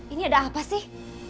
ini ada apa sih